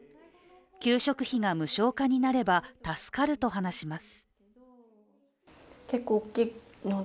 給食費が無償化になれば助かると話します。